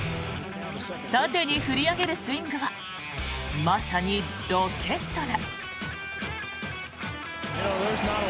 縦に振り上げるスイングはまさにロケットだ。